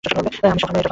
আমি সবসময় এটা ভাবতাম।